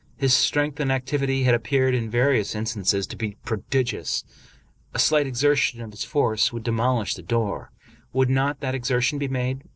His strength and activity had appeared, in vari ous instances, to be prodigious. A slight exertion of his force would demolish the door. Would not that exertion be made?